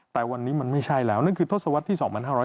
แต่วันนี้มันไม่ใช่แล้วนั่นคือทศวรรษที่๒๕๖๐